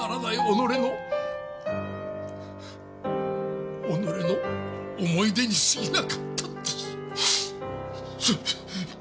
己の己の思い出に過ぎなかったんです。